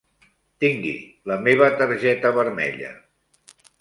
Tingui la meva targeta vermella.